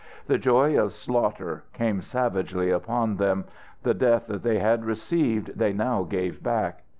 The joy of slaughter came savagely upon them. The death that they had received they now gave back.